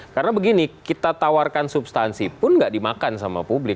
karena begini kita tawarkan substansi pun nggak dimakan sama publik